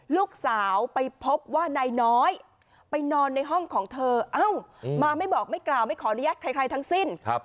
ลูกสาวไปพบว่านายน้อยไปนอนในห้องของเธอเอ้ามาไม่บอกไม่กล่าวไม่ขออนุญาตใครทั้งสิ้น